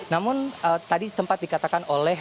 namun tadi sempat dikatakan oleh